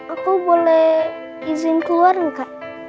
aku boleh izin keluar enggak